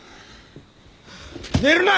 寝るな！